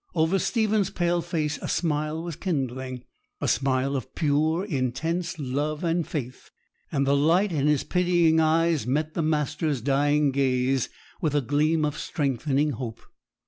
Over Stephen's pale face a smile was kindling, a smile of pure, intense love and faith, and the light in his pitying eyes met the master's dying gaze with a gleam of strengthening hope.